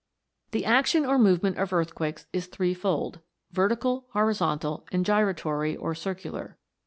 The action or movement of earthquakes is three fold vertical, horizontal, and gyratory or circular.